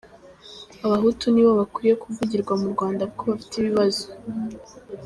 Abahutu ni bo bakwiye kuvugirwa mu Rwanda kuko bafite ibibazo.